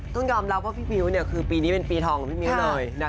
ต้องยอมรับว่าพี่มิ้วเนี่ยคือปีนี้เป็นปีทองของพี่มิ้วหน่อยนะคะ